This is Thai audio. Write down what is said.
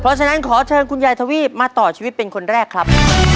เพราะฉะนั้นขอเชิญคุณยายทวีปมาต่อชีวิตเป็นคนแรกครับ